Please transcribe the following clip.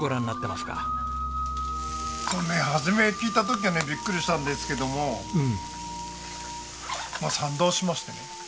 初め聞いた時はねビックリしたんですけどもまあ賛同しましてね。